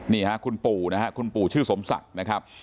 นี่ฮะคุณปู่นะฮะคุณปู่ชื่อสมศักดิ์นะครับ